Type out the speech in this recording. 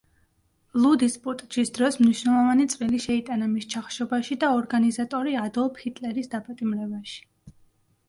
ლუდის პუტჩის დროს მნიშვნელოვანი წვლილი შეიტანა მის ჩახშობაში და ორგანიზატორი ადოლფ ჰიტლერის დაპატიმრებაში.